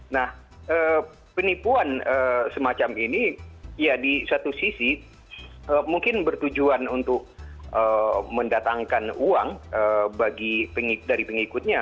nah penipuan semacam ini ya di satu sisi mungkin bertujuan untuk mendatangkan uang dari pengikutnya